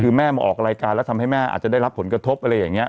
คือแม่มาออกรายการแล้วทำให้แม่อาจจะได้รับผลกระทบอะไรอย่างนี้